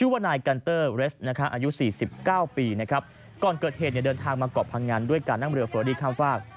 ว่านายกัลเตอร์เรสอายุ๔๙ปีก่อนเกิดเหตุเดินทางมาเกาะพังงานด้วยการนั่งเรือฟลอรี่ข้ามฟาก